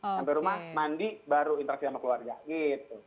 sampai rumah mandi baru interaksi sama keluarga gitu